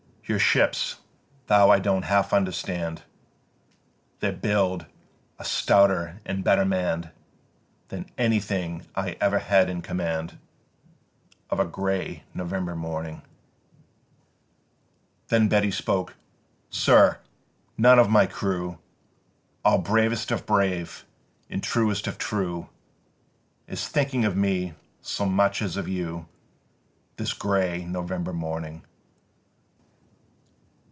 Your ships, tho' I don't half understand Their build, are stouter and better mann'd Than anything I ever had in command Of a grey November morning." 10. Then Beatty spoke: "Sir! none of my crew, All bravest of brave and truest of true, Is thinking of me so much as of you This grey November morning."